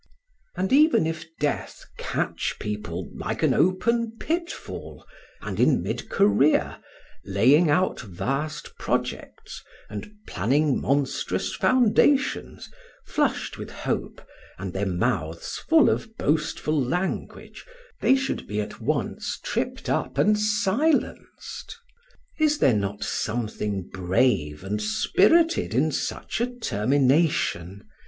And even if death catch people, like an open pitfall, and in mid career, laying out vast projects, and planning monstrous foundations, flushed with hope, and their mouths full of boastful language, they should be at once tripped up and silenced: is there not something brave and spirited in such a termination?